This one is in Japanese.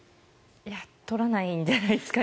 取らないのではないですかね。